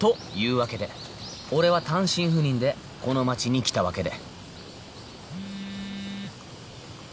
わけで俺は単身赴任でこの町に来たわけで